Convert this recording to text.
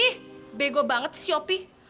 ih ih bego banget sih si opi